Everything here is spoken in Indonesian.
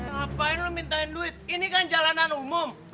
ngapain lo minta duit ini kan jalanan umum